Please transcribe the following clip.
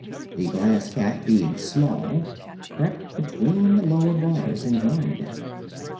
The Glass Cat, being small, crept between the lower bars and joined them.